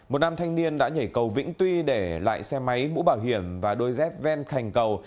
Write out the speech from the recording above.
một nam thanh niên đã nhảy cầu vĩnh tuy để lại xe máy mũ bảo hiểm và đôi dép ven khành cầu